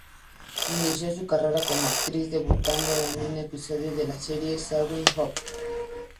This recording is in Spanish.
Inicio su carrera como actriz debutando en un episodio de la serie "Saving Hope".